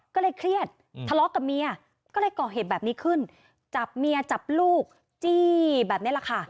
ก็เลยเครียดทะเลาะกับเมียก็เลยก่อเหตุแบบนี้ขึ้นจับเมียจับลูกจี้แบบนี้แหละค่ะ